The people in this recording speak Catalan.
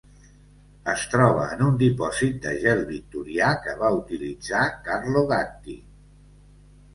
Es troba en un dipòsit de gel victorià que va utilitzar Carlo Gatti.